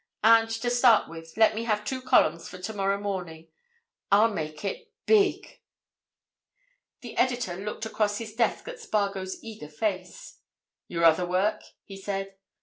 And to start with, let me have two columns for tomorrow morning. I'll make it—big!" The editor looked across his desk at Spargo's eager face. "Your other work?" he said.